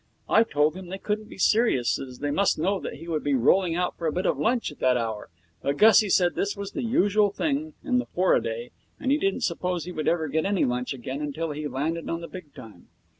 I told him they couldn't be serious, as they must know that he would be rolling out for a bit of lunch at that hour, but Gussie said this was the usual thing in the four a day, and he didn't suppose he would ever get any lunch again until he landed on the big time.